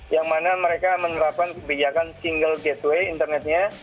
yang mana mereka menerapkan kebijakan single gateway internetnya